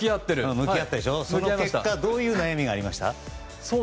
その結果どういう悩みがありましたか？